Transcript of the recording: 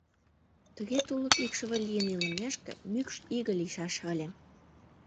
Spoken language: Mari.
Тыге тулык икшыве лийын илымешке, мӱкш иге лийшаш ыле!..